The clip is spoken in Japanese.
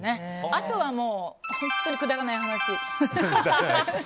あとはもう本当にくだらない話を。